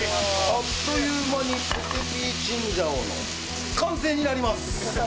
あっという間にポテ・ピー・チンジャオの完成になります！